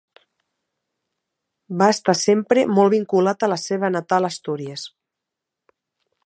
Va estar sempre molt vinculat a la seva natal Astúries.